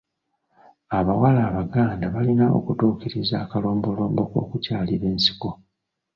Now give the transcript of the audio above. Abawala Abaganda balina okutuukiriza akalombolombo k’okukyalira ensiko.